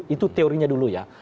itu teorinya dulu ya